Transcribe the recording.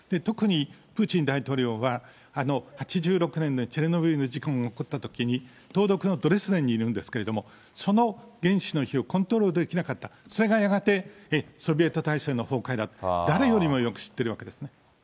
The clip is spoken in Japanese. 特に、プーチン大統領は８６年のチェルノブイリの事故が起こったときに、東独のドレスデンにいるんですけれども、その原子の火をコントロールできなかった、それがやがてソビエト体制の崩壊だと、誰よりもよく知っているわけですね。